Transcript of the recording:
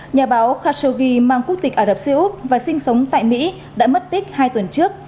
nhà báo khashogi mang quốc tịch ả rập xê út và sinh sống tại mỹ đã mất tích hai tuần trước